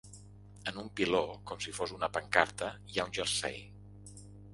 En un piló, com si fos una pancarta, hi ha un jersei.